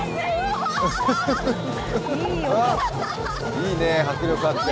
いいねえ、迫力あって。